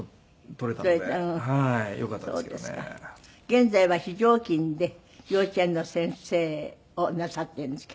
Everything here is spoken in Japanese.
現在は非常勤で幼稚園の先生をなさっているんですか？